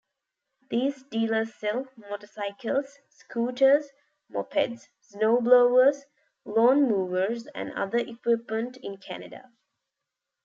These dealers sell motorcycles, scooters, mopeds, snowblowers, lawnmowers and other equipment in Canada.